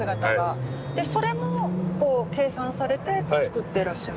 それも計算されてつくってらっしゃる？